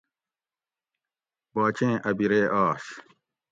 باچیں ا بِرے آش